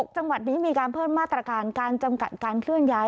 จังหวัดนี้มีการเพิ่มมาตรการการจำกัดการเคลื่อนย้าย